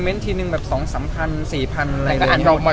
เม้นท์ทีนึงแบบสองสามพันสี่พันอะไรอย่างเงี้ย